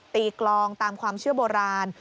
กลองตามความเชื่อโบราณ